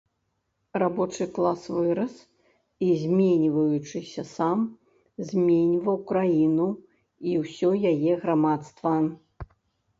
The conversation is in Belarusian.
Рабочы клас вырас і, зменьваючыся сам, зменьваў краіну і ўсё яе грамадства.